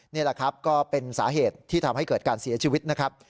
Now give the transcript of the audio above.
นี่แหละครับก็เป็นสาเหตุที่ทำให้เกิดการเสียชีวิตนะครับ